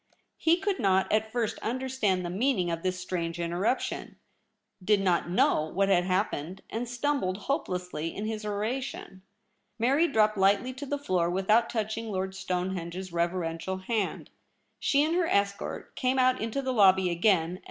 He could not at first understand the meaning of this strange Interruption ; did not know what had happened, and stumbled hopelessly in his oration. Mary dropped lightly to the floor without touching Lord Stonehenge's reverential hand. She and her escort came out into the lobby again, and ]\Ir.